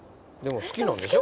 うん好きなんでしょ？